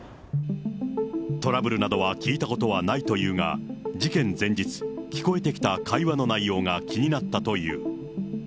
トラブルなどは聞いたことはないというが、事件前日、聞こえてきた会話の内容が気になったという。